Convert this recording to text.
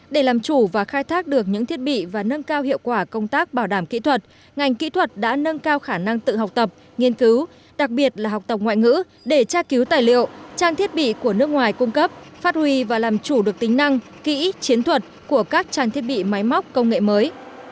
để làm chủ và khai thác được những thiết bị và nâng cao hiệu quả công tác bảo đảm kỹ thuật ngành kỹ thuật đã nâng cao khả năng tự học tập nghiên cứu đặc biệt là học tập ngoại ngữ để tra cứu tài liệu trang thiết bị của nước ngoài cung cấp phát huy và làm chủ được tính năng kỹ chiến thuật của các trang thiết bị máy móc công nghệ mới